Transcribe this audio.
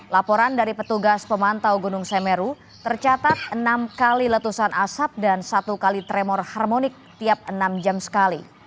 laporan dari petugas pemantau gunung semeru tercatat enam kali letusan asap dan satu kali tremor harmonik tiap enam jam sekali